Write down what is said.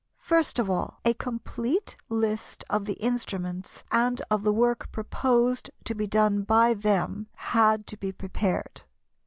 First of all, a complete list of the instruments and of the work proposed to be done by them had to be prepared.